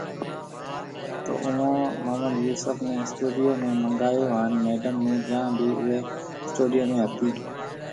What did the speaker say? تو اوئون محمد يوسف ني اسٽوڊيو ۾ منگايو هان ميڊم نور جهان بِي اوئي اسٽوڊيو ۾ هتي